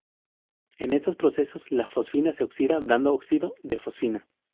En estos procesos la fosfina se oxida dando óxido de fosfina.